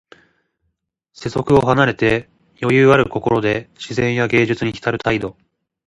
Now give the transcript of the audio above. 世俗を離れて、余裕ある心で自然や芸術にひたる態度。